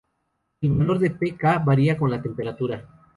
El valor de pK varía con la temperatura.